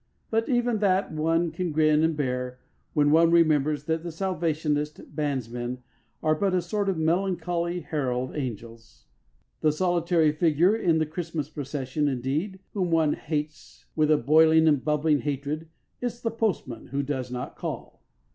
But even that one can grin and bear when one remembers that the Salvationist bandsmen are but a sort of melancholy herald angels. The solitary figure in the Christmas procession, indeed, whom one hates with a boiling and bubbling hatred, is the postman who does not call.